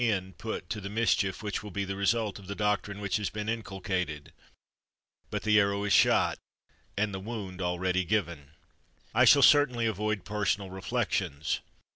230 MANSFIELD put to the mischief which will be the result of the doctrine which has been inculcated ; but the arrow is shot and the wound already given. I shall certainly avoid personal reflections.